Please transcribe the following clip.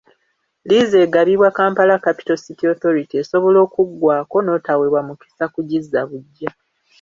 Liizi egabibwa Kampala Capital City Authority esobola okuggwako n'otaweebwa mukisa kugizza buggya.